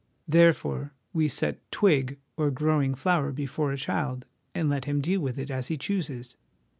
Therefore we set twig or growing flower before a child and let him deal with it as he chooses.